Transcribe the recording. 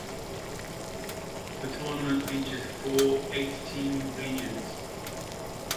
The tournament features four eight-team regions.